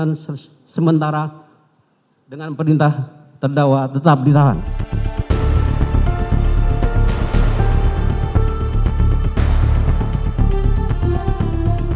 kedua menjatuhkan pidana terhadap terdakwa kuat makrup dengan pidana penjara selama delapan tahun